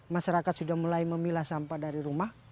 masyarakat sudah mulai memilah sampah dari rumah